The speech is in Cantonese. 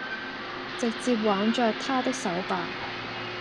直接挽著他的手吧